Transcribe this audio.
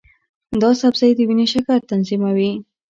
دا سبزی د وینې شکر تنظیموي.